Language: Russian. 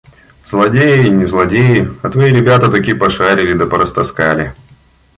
– Злодеи не злодеи, а твои ребята таки пошарили да порастаскали.